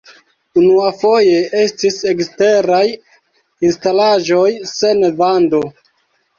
Unuafoje estis eksteraj instalaĵoj sen vando.